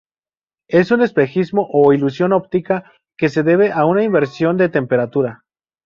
Es un espejismo o ilusión óptica que se debe a una inversión de temperatura.